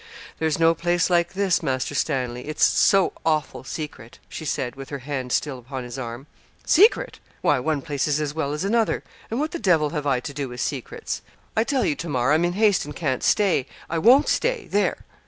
'There's no place like this, Master Stanley; it's so awful secret,' she said, with her hand still upon his arm. 'Secret! Why one place is as well as another; and what the devil have I to do with secrets? I tell you, Tamar, I'm in haste and can't stay. I won't stay. There!'